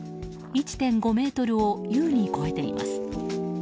１．５ｍを優に超えています。